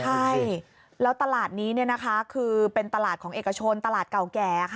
ใช่แล้วตลาดนี้คือเป็นตลาดของเอกชนตลาดเก่าแก่